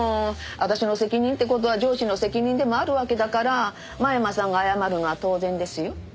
私の責任って事は上司の責任でもあるわけだから真山さんが謝るのは当然ですよ。